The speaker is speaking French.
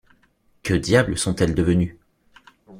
Que diable sont-elles devenues?